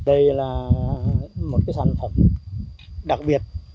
đây là một cái sản phẩm đặc biệt